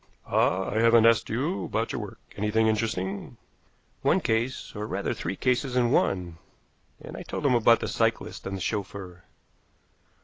"Ah, I haven't asked you about your work. Anything interesting?" "One case, or, rather, three cases in one." And I told him about the cyclists and the chauffeur.